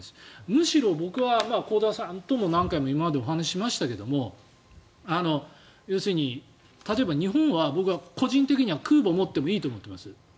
むしろ僕は香田さんとも何回も今までお話ししましたが要するに例えば日本は個人的には空母を持っていいと思っています。